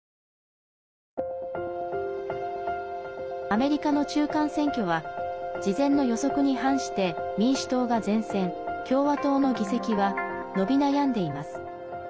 アメリカの中間選挙は事前の予測に反して民主党が善戦共和党の議席は伸び悩んでいます。